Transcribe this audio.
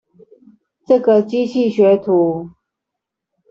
這個機器學徒